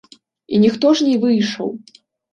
І ніхто ж не выйшаў.